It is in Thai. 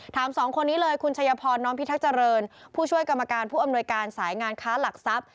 สองคนนี้เลยคุณชัยพรน้อมพิทักษ์เจริญผู้ช่วยกรรมการผู้อำนวยการสายงานค้าหลักทรัพย์